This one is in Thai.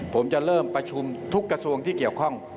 ผมจะเริ่มประชุมทุกกระทรวงที่เกี่ยวข้อง